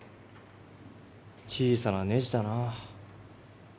小さなネジだなぁ。